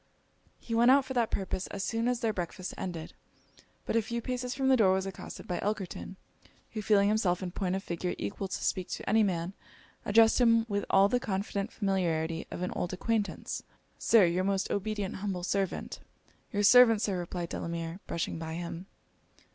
He went out for that purpose as soon as their breakfast ended; but a few paces from the door was accosted by Elkerton, who feeling himself in point of figure equal to speak to any man, addressed him with all the confident familiarity of an old acquaintance. 'Sir, your most obedient humble servant.' 'Your servant, Sir;' replied Delamere, brushing by him.